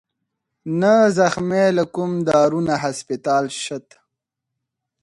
نه زخمى له کوم دارو نه هسپتال شت